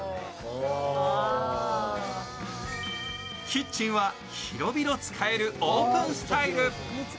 キッチンは広々使えるオープンスタイル。